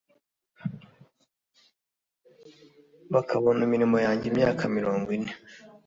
Bakabona imirimo yanjye imyaka mirongo ine